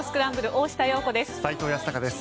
大下容子です。